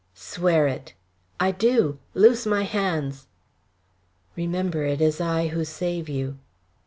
"Swear it." "I do. Loose my hands." "Remember it is I who save you."